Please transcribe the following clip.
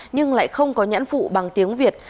nhưng lại không có nhãn phụ bằng tiếng việt